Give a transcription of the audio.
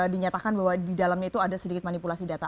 dinyatakan bahwa di dalamnya itu ada sedikit manipulasi data